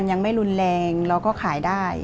ยังไม่รุนแรงเราก็ขายได้